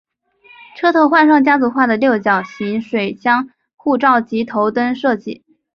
车头换上家族化的六角形水箱护罩及头灯设计。